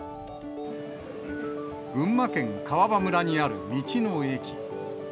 群馬県川場村にある道の駅。